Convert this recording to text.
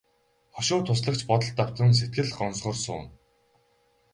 Хошуу туслагч бодолд автан сэтгэл гонсгор сууна.